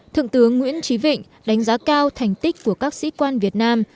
thượng tướng nguyễn trí vịnh đánh giá cao thành tích của các sĩ quan việt nam